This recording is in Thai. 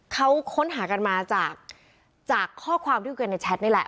เขาค้นหากันมาจากข้อความที่คุยกันในแชทนี่แหละ